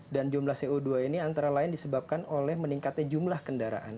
dan jumlah co dua ini antara lain disebabkan oleh meningkatnya jumlah kendaraan